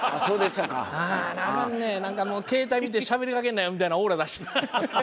なんかもう携帯見てしゃべりかけんなよみたいなオーラ出して。